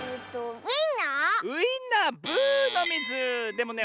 でもね